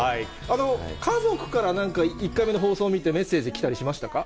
家族からなんか、１回目の放送見て、メッセージ来たりしましたか？